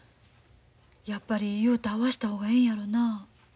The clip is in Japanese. やっぱり雄太会わした方がええんやろなあ。